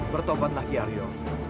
bertobat lagi ario